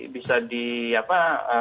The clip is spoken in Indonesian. bisa di apa